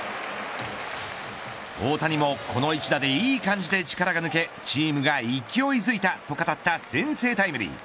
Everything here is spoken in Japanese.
大谷も、この一打でいい感じで力が抜け、チームが勢いづいたと語った先制タイムリー。